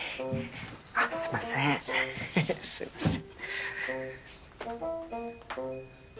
すいませんすいません。